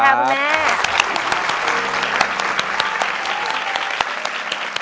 สวัสดีค่ะคุณแม่